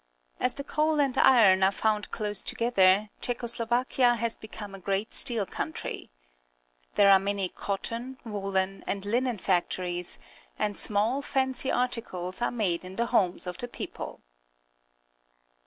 As the coal and iron are found close together, Czecho Slovakia has become a great steel count rj'. There are many cotton, woollen, and linen factories, and small, fancy articles are made in the homes of the people.